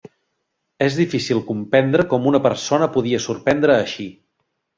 Es difícil comprendre com una persona podia sorprendre així.